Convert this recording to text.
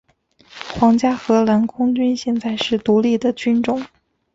皇家荷兰空军现在是独立的军种。